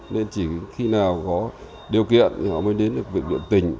nên chỉ khi nào có điều kiện thì họ mới đến được bệnh viện tình